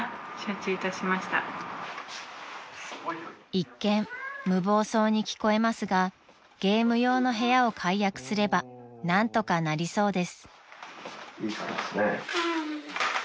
［一見無謀そうに聞こえますがゲーム用の部屋を解約すれば何とかなりそうです］